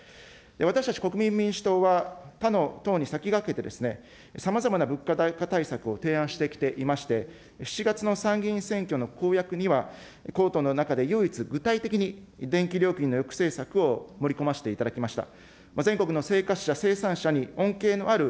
私たち国民民主党は、他の党に先駆けてですね、さまざまな物価高対策を提案してきていまして、７月の参議院選挙の公約にはの中で、唯一具体的に電気料金の抑制策を盛り込ませていただきました。